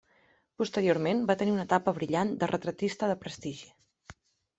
Posteriorment va tenir una etapa brillant de retratista de prestigi.